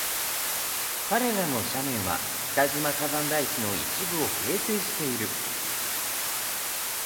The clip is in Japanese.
彼らの斜面は北島火山台地の一部を形成している。